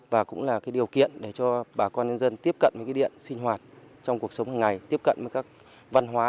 và cũng là điều kiện để cho bà con nhân dân tiếp cận với cái điện sinh hoạt trong cuộc sống hàng ngày tiếp cận với các văn hóa